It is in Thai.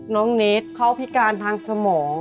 น้องเนสเขาพิการทางสมอง